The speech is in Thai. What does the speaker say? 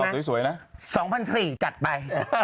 เอาสวยนะ๒๔๐๐บาทจัดไป